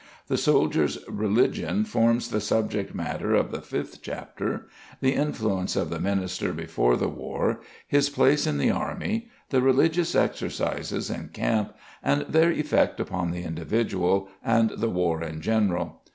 The soldier's religion forms the subject matter of the fifth chapter, the influence of the minister before the war, his place in the army, the religious exercises in camp and their effect upon the individual and the war in general.